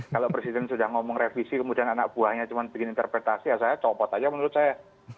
kalau presiden sudah ngomong revisi kemudian anak buahnya cuma bikin interpretasi ya saya copot aja menurut saya